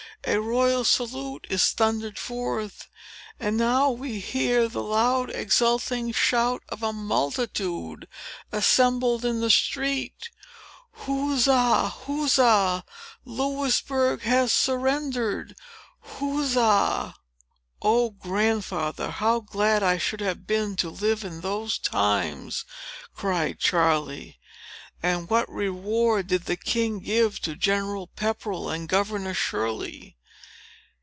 A royal salute is thundered forth. And, now, we hear the loud exulting shout of a multitude, assembled in the street. Huzza, Huzza! Louisbourg has surrendered! Huzza! "O Grandfather, how glad I should have been to live in those times!" cried Charley. "And what reward did the king give to General Pepperell and Governor Shirley?"